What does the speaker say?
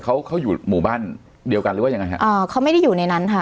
เขาเขาอยู่หมู่บ้านเดียวกันหรือว่ายังไงฮะอ่าเขาไม่ได้อยู่ในนั้นค่ะ